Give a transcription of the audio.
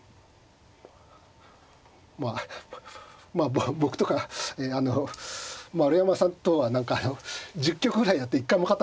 まあ僕とかあの丸山さんとは何か１０局ぐらいやって一回も勝ったことない。